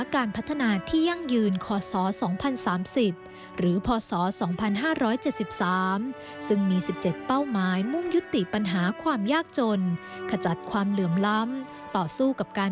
ของประเทศไทยและทุกคนของประเทศไทย